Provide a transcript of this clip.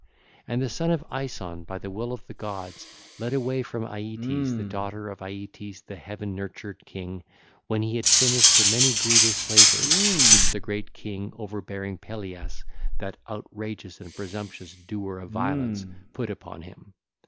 (ll. 993 1002) And the son of Aeson by the will of the gods led away from Aeetes the daughter of Aeetes the heaven nurtured king, when he had finished the many grievous labours which the great king, over bearing Pelias, that outrageous and presumptuous doer of violence, put upon him.